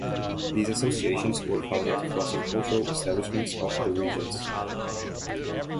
These associations were founded to foster cultural establishments of the regions.